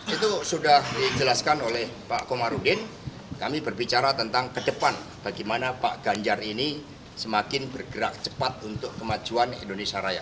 itu sudah dijelaskan oleh pak komarudin kami berbicara tentang ke depan bagaimana pak ganjar ini semakin bergerak cepat untuk kemajuan indonesia raya